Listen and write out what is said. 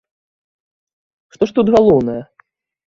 Што ж тут галоўнае?